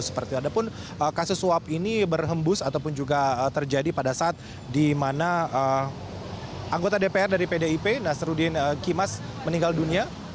seperti ada pun kasus suap ini berhembus ataupun juga terjadi pada saat di mana anggota dpr dari pdip nasruddin kimas meninggal dunia